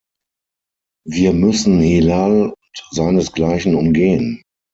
Wir müssen Hilal und seinesgleichen umgehen.